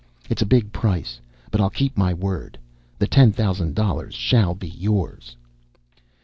"It's a big price, but I'll keep my word. The ten thousand dollars shall be yours."